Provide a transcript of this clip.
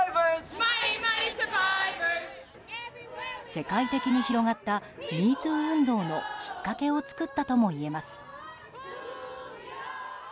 世界的に広がったＭｅＴｏｏ運動のきっかけを作ったともいえます。